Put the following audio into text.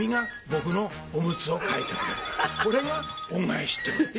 これが恩返しってもんだ。